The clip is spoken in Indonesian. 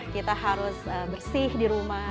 kita harus bersih di rumah